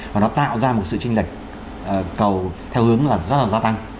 và nó tạo ra một sự chênh lệch cầu theo hướng rất là gia tăng